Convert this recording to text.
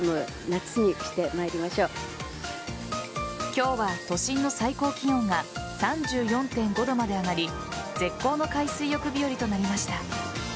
今日は都心の最高気温が３４．５度まで上がり絶好の海水浴日和となりました。